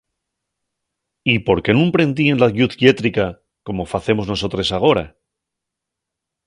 ¿Y por qué nun prendíen la lluz llétrica como facemos nosotres agora?